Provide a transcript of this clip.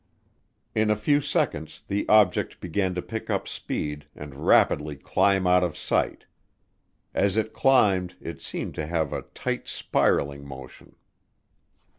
In a few seconds the object began to pick up speed and rapidly climb out of sight. As it climbed it seemed to have a tight spiraling motion.